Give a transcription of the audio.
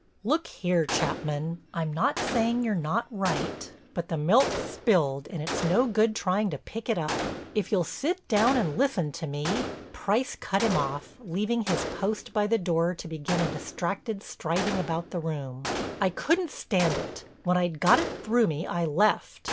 "Look here, Chapman, I'm not saying you're not right, but the milk's spilled and it's no good trying to pick it up. If you'll sit down and listen to me—" Price cut him off, leaving his post by the door to begin a distracted striding about the room: "I couldn't stand it—when I'd got it through me I left.